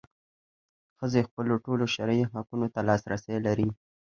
ښځې خپلو ټولو شرعي حقونو ته لاسرسی لري.